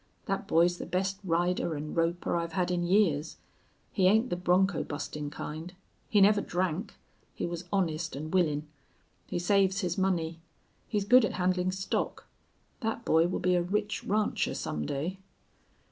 "Thet boy's the best rider an' roper I've had in years. He ain't the bronco bustin' kind. He never drank. He was honest an' willin'. He saves his money. He's good at handlin' stock. Thet boy will be a rich rancher some day."